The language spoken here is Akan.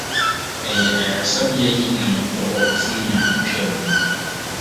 Ɛyɛ ayaresabea yi na mekɔɔ hɔ bosome a etwaam no.